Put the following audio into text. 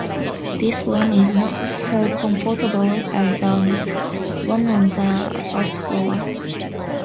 This room is not so comfortable as that one on the first floor.